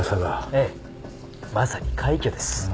ええまさに快挙です。ああ。